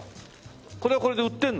これはこれで売ってるの？